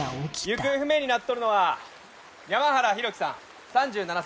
行方不明になっとるのは山原浩喜さん３７歳。